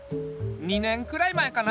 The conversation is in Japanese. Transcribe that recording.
２年くらい前かな。